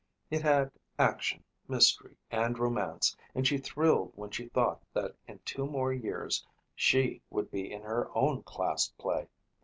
It had action, mystery and romance and she thrilled when she thought that in two more years she would be in her own class play.